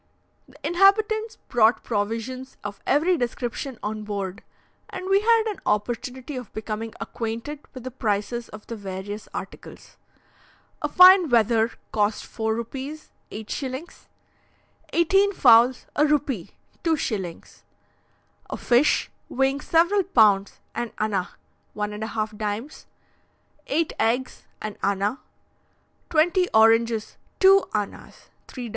The inhabitants brought provisions of every description on board, and we had an opportunity of becoming acquainted with the prices of the various articles. A fine wether cost four rupees (8s.); eighteen fowls, a rupee (2s.); a fish, weighing several pounds, an anna (1.5d.); eight eggs, an anna; twenty oranges, two annas (3d.)